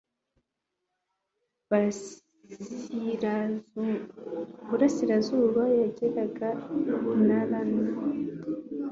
burasirazuba yageraga i narani